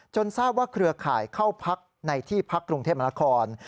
ทราบว่าเครือข่ายเข้าพักในที่พักกรุงเทพมนาคม